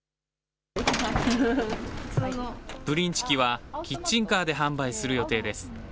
ブリンチキはキッチンカーで販売する予定です。